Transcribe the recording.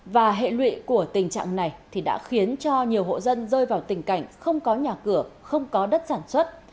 và hệ lụy của tình trạng này đã khiến cho nhiều hộ dân rơi vào tình cảnh không có nhà cửa không có đất sản xuất